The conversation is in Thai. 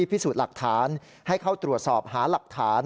พิสูจน์หลักฐานให้เข้าตรวจสอบหาหลักฐาน